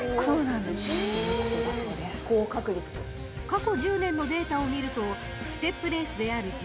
［過去１０年のデータを見るとステップレースであるＧⅡ